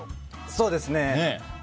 そうですね。